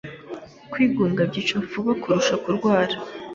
kwigunga byica vuba kurusha kurwara